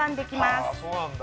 はぁそうなんだ。